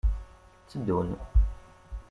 Tteddun.